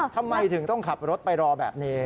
ทำไมถึงต้องขับรถไปรอแบบนี้